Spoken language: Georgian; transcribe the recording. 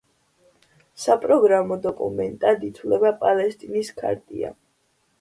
საპროგრამო დოკუმენტად ითვლება პალესტინის ქარტია.